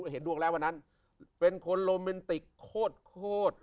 เห็นดวงแล้ววันนั้นเป็นคนโรแมนติกโคตร